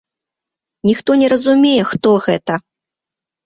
Ніхто не разумее, хто гэта.